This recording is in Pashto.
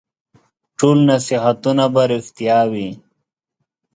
ټول نصیحتونه به رېښتیا وي ؟